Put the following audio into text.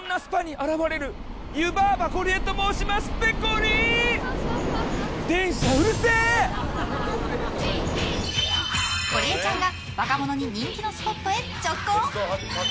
ゴリエちゃんが若者に人気のスポットへ直行！